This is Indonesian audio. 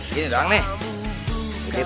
sarung aneh kejepit